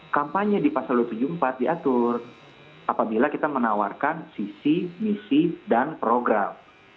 kampanye di pasal dua ratus tujuh puluh empat diatur apabila kita menawarkan sisi misi dan program